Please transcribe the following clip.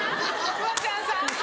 フワちゃんさん？